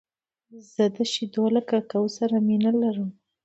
زه د شیدو له ککو سره مینه لرم .